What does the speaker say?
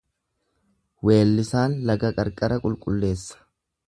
Weellisaan laga qarqara qulqulleessa.